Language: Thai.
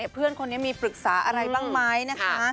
เพื่อนคนนี้มีปรึกษาอะไรบ้างไหมนะคะ